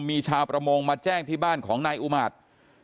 มีชาวประมงมาแจ้งที่บ้านของนายอุมาตร